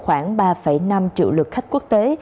khoảng ba năm triệu lượt khách quốc tế